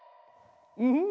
うん？